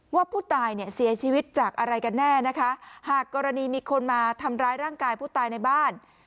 ว่าผู้ตายเนี่ยเสียชีวิตจากอะไรกันแน่นะคะหากกรณีมีคนมาทำร้ายร่างกายผู้ตายในบ้าน